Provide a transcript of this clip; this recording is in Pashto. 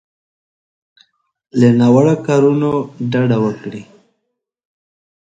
له ناوړو کارونو ډډه وکړي.